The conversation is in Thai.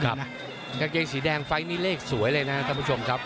กางเกงสีแดงไฟล์นี้เลขสวยเลยนะครับท่านผู้ชมครับ